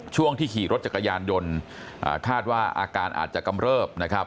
ช่วงที่ขี่รถจักรยานยนต์คาดว่าอาการอาจจะกำเริบนะครับ